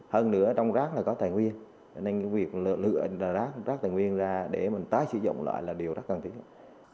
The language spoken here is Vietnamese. hơn nữa trong rác là có tài nguyên nên việc lựa rác tài nguyên ra để mình tái sử dụng lại là điều rất cần thiết